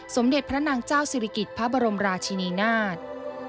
สมเด็จพระนางเจ้าศิริกิจพระบรมราชินีนาฏ